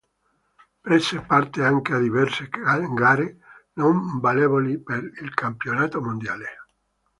Prese parte anche a diverse gare non valevoli per il Campionato Mondiale.